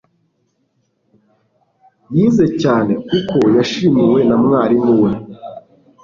yize cyane kuko yashimiwe na mwarimu we